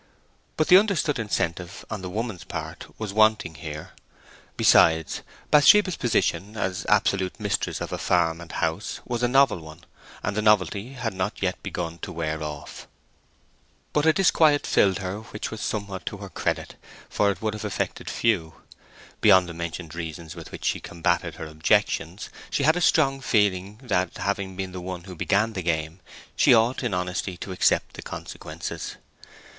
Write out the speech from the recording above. But the understood incentive on the woman's part was wanting here. Besides, Bathsheba's position as absolute mistress of a farm and house was a novel one, and the novelty had not yet begun to wear off. But a disquiet filled her which was somewhat to her credit, for it would have affected few. Beyond the mentioned reasons with which she combated her objections, she had a strong feeling that, having been the one who began the game, she ought in honesty to accept the consequences.